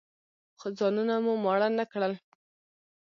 ځانونه مو ماړه نه کړل.